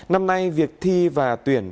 năm nay việc thi và tuyển